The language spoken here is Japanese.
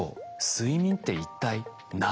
睡眠って一体何なんだ。